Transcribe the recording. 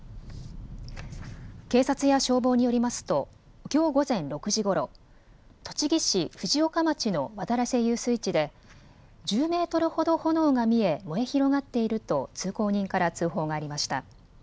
警察や消防によりますときょう午前６時ごろ、栃木市藤岡町の渡良瀬遊水地で１０メートルほど炎が見え燃え広がっていると通行人から通報がありました。